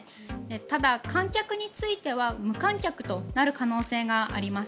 ただ、観客については無観客となる可能性があります。